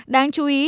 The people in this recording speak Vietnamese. đáng chú ý